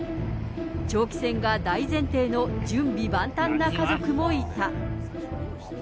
長期戦が大前提の準備万端な家族もいた。